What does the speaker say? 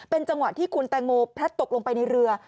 จังหวะที่คุณแตงโมพลัดตกลงไปในเรือ